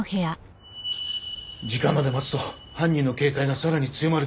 時間まで待つと犯人の警戒がさらに強まる危険が。